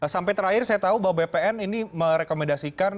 sampai terakhir saya tahu bahwa bpn ini merekomendasikan